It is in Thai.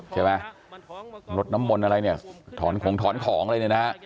ใช่ไหมลดน้ำมนต์อะไรเนี่ยถอนของถอนของอะไรเนี่ยนะฮะ